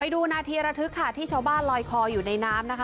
ดูนาทีระทึกค่ะที่ชาวบ้านลอยคออยู่ในน้ำนะคะ